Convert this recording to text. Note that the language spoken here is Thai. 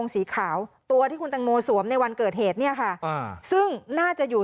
สีขาวตัวที่คุณตังโมสวมในวันเกิดเหตุเนี่ยค่ะอ่าซึ่งน่าจะอยู่